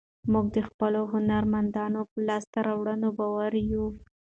موږ د خپلو هنرمندانو په لاسته راوړنو باوري یو.